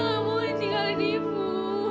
ibu tidak mau menyingkirkan ibu